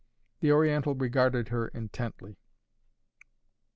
The Oriental regarded her intently.